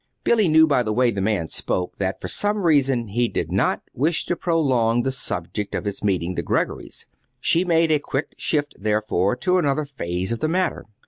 Billy knew by the way the man spoke that, for some reason, he did not wish to prolong the subject of his meeting the Greggorys. She made a quick shift, therefore, to another phase of the matter.